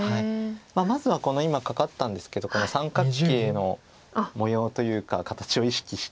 まずは今カカったんですけどこの三角形の模様というか形を意識して。